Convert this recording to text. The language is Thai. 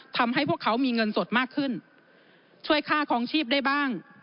ทำให้พวกเขามีเงินสดมากขึ้นช่วยค่าคลองชีพได้บ้าง